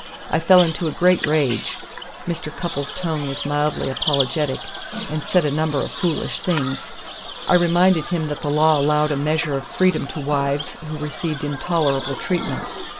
I fell into a great rage" Mr. Cupples' tone was mildly apologetic "and said a number of foolish things. I reminded him that the law allowed a measure of freedom to wives who received intolerable treatment.